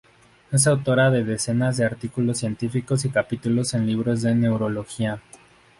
Es autora de decenas de artículos científicos y capítulos en libros de neurología.